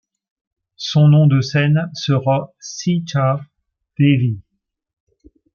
Son nom de scène sera Seeta Devi.